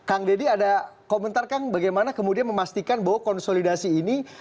kang deddy ada komentar kang bagaimana kemudian memastikan bahwa konsolidasi ini